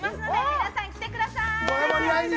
皆さん、来てください。